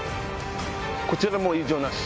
こちらも異常なし。